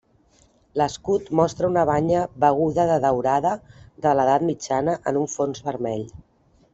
L'escut mostra una banya beguda de daurada de l'Edat Mitjana en un fons vermell.